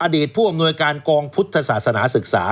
ผู้อำนวยการกองพุทธศาสนาศึกษา